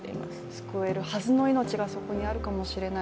救えるはずの命がそこにあるかもしれない。